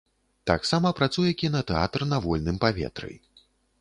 Таксама працуе кінатэатр на вольным паветры.